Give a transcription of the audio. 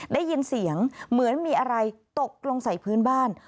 ได้ยินเสียงเหมือนมีอะไรตกลงใส่พื้นบ้าน